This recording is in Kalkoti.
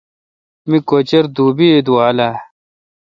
می کچر دوبی اے°دُوال اہ۔